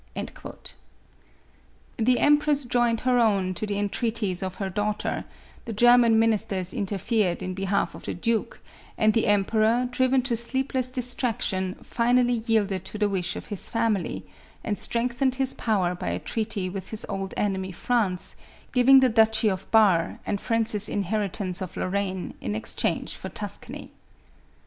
The empress joined her own to the entreaties of her daughter; the German ministers interfered in behalf of the duke; and the em peror, driven to sleepless distraction, finally yielded to the wish of his family, and strengthened his power by a treaty with his old enemy France, giving the duchy of Bar and Francis' inheritance of Lorraine, in ex change for Tuscany.